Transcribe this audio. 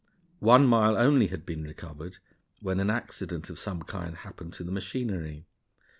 One mile only had been recovered, when an accident of some kind happened to the machinery.